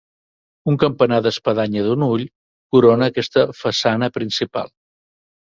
Un campanar d'espadanya d'un ull, corona aquesta façana principal.